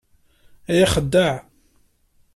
Ay axeddaɛ!